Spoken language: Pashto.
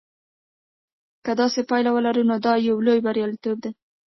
که داسې پایله ولري نو دا یو لوی بریالیتوب دی.